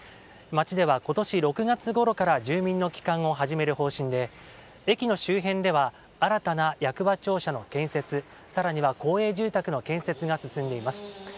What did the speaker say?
町では今年６月ごろから住民の帰還を始める方針で駅の周辺では新たな役場庁舎の建設さらには公営住宅の建設が進んでいます。